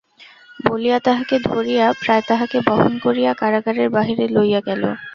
বলিয়া তাঁহাকে ধরিয়া– প্রায় তাঁহাকে বহন করিয়া কারাগারের বাহিরে লইয়া গেল।